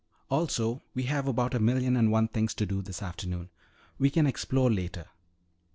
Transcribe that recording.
Also we have about a million and one things to do this afternoon. We can explore later.